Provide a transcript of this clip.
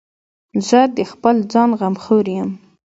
زه د خپل ځان غمخور یم.